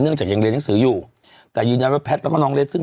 จากยังเรียนหนังสืออยู่แต่ยืนยันว่าแพทย์แล้วก็น้องเรสซึ่ง